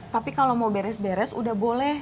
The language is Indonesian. tapi kalau mau beres beres udah boleh